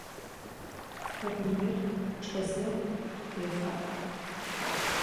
Sabıir ççeze têfağ.